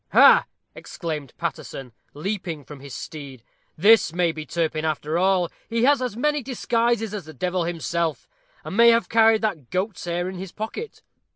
"Ha!" exclaimed Paterson, leaping from his steed, "this may be Turpin after all. He has as many disguises as the devil himself, and may have carried that goat's hair in his pocket."